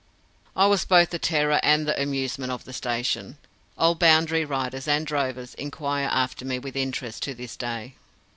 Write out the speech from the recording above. I was both the terror and the amusement of the station. Old boundary riders and drovers inquire after me with interest to this day.